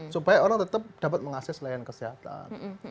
supaya orang tetap dapat mengakses layanan kesehatan